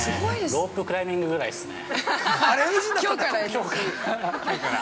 ロープクライミングぐらいっすね。